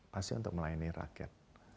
pasti untuk melayani rakyat